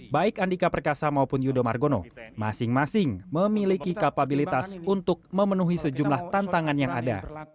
baik andika perkasa maupun yudho margono masing masing memiliki kapabilitas untuk memenuhi sejumlah tantangan yang ada